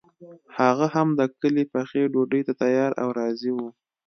هغه هم د کلي پخې ډوډۍ ته تیار او راضي وو.